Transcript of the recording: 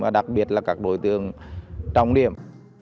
đặc biệt là các đối tượng trong điểm